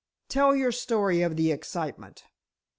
"Tell your story of the excitement."